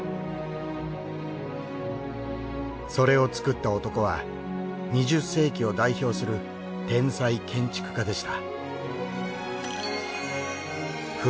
それを作った男は２０世紀を代表する天才建築家でした。